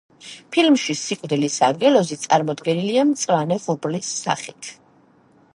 ფილმში სიკვდილის ანგელოზი წარმოდგენილია მწვანე ღრუბლის სახით.